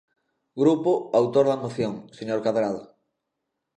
Grupo autor da moción, señor Cadrado.